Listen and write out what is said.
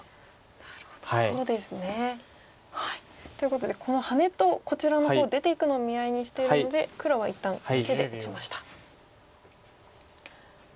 なるほどそうですね。ということでこのハネとこちらの方出ていくのを見合いにしてるので黒は一旦ツケで打ちました。